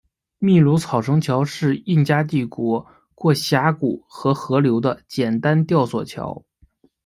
秘鲁草绳桥是印加帝国过峡谷和河流的简单吊索桥。